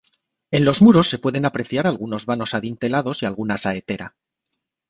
En los muros se pueden apreciar algunos vanos adintelados y alguna saetera.